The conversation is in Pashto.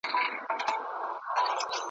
او پیسې به را رواني وي پرېماني ,